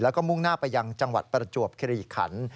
แล้วก็มุ่งหน้าไปยังจังหวัดประจวบคิริขัน